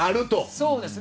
そうですね。